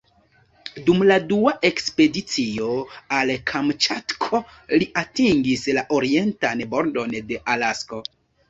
Dum la dua ekspedicio al Kamĉatko, li atingis la orientan bordon de Alasko.